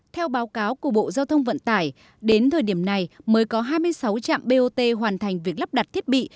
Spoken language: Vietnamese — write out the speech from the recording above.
theo báo cáo của bộ giao thông vận tải đến thời điểm này mới có hai mươi sáu trạm bot hoàn thành việc lắp đặt thiết bị